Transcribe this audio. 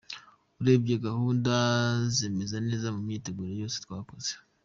Urebye gahunda zimeze neza mu myiteguro yose twakoze.